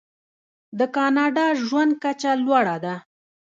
د کاناډا ژوند کچه لوړه ده.